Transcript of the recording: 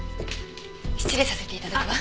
失礼させて頂くわ。